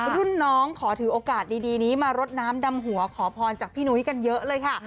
รุ่นน้องขอถือโอกาสดีนี้มารดน้ำดำหัวขอพรจากพี่นุ้ยกันเยอะเลยค่ะ